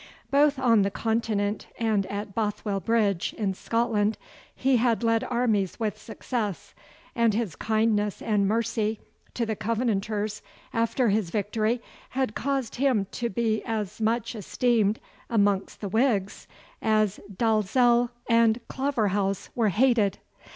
Both on the Continent and at Bothwell Bridge, in Scotland, he had led armies with success, and his kindness and mercy to the Covenanters after his victory had caused him to be as much esteemed amongst the Whigs as Dalzell and Claverhouse were hated.